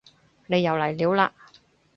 你又嚟料嘞